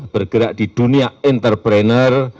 bergerak di dunia entrepreneur